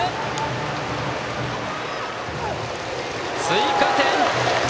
追加点！